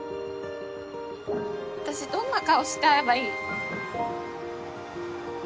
私どんな顔して会えばいい？